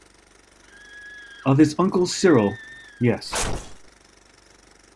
Of his Uncle Cyril, yes.